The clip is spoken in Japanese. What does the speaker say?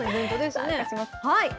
はい、